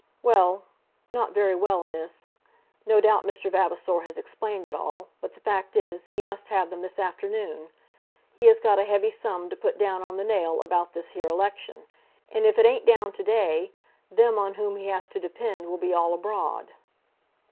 "Well; not very well, miss. No doubt Mr. Vavasor has explained it all; but the fact is, he must have them this afternoon. He has got a heavy sum to put down on the nail about this here election, and if it ain't down to day, them on whom he has to depend will be all abroad."